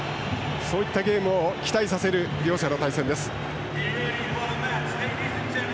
そういったゲームを期待させる両者の対戦です。